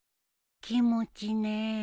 気持ちね。